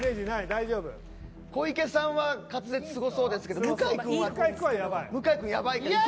大丈夫？小池さんは滑舌すごそうですけど向井君はやばい。